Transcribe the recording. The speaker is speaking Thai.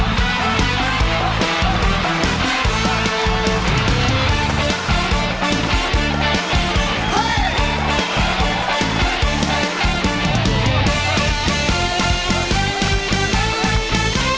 อบจมหาสนุก